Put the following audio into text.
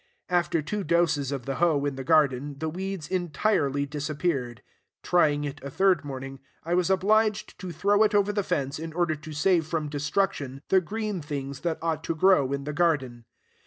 After two doses of the hoe in the garden, the weeds entirely disappeared. Trying it a third morning, I was obliged to throw it over the fence in order to save from destruction the green things that ought to grow in the garden.